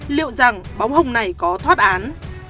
liệu rằng bóng hồng này có thoát án